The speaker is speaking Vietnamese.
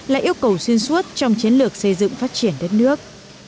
là yêu cầu xuyên suốt trong chiến lược xây dựng phát triển đất nước